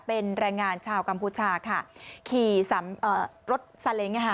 เป็นแรงงานชาวกัมพูชาขี่รถซาเล้ง